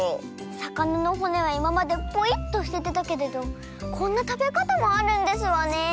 さかなのほねはいままでポイっとすててたけれどこんなたべかたもあるんですわね。